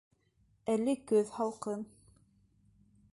Әле көҙ. һалҡын.